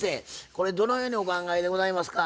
これどのようにお考えでございますか？